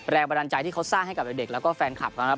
แรงบันดาลใจที่เขาสร้างให้กับเด็กแล้วก็แฟนคลับเขานะครับ